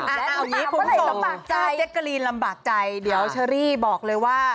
เอาอย่างนี้ผมส่งจ้าเจ๊กกะลีนลำบากใจเดี๋ยวเชอรี่บอกเลยว่า